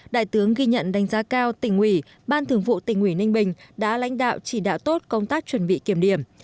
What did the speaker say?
đại tướng ghi nhận đánh giá cao tỉnh ủy ban thường vụ tỉnh ủy ninh bình đã lãnh đạo chỉ đạo tốt công tác chuẩn bị kiểm điểm